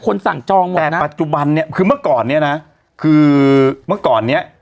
สั่งจองหมดแต่ปัจจุบันเนี้ยคือเมื่อก่อนเนี้ยนะคือเมื่อก่อนเนี้ย